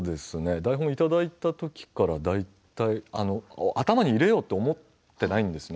台本をいただいたときから頭に入れようと思っていないんですね。